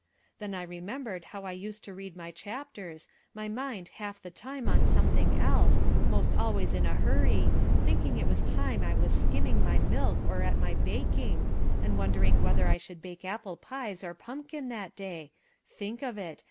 Then I remembered how I used to read my chapters, my mind half the time on something else, most always in a hurry, thinking it was time I was skimming my milk or at my baking, and wondering whether I should bake apple pies or pumpkin that day; think of it!